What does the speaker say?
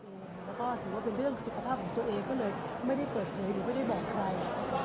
แล้วก็ถือว่าเป็นเรื่องสุขภาพของตัวเองก็เลยไม่ได้เปิดเผยหรือไม่ได้บอกใคร